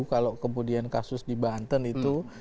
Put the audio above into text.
kalau kemudian kasus di banten itu